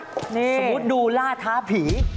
สมมุติดูล่าท้าผี